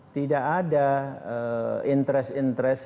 tidak ada interest interest